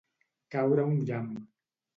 Caure un llamp.